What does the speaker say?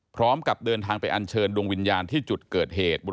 พร้อมกับเดินทางไปอันเชิญดวงวิญญาณที่จุดเกิดเหตุ